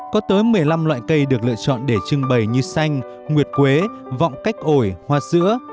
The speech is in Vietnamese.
có tới một mươi năm loại cây được lựa chọn để trưng bày như xanh nguyệt quế vọng cách ổi hoa sữa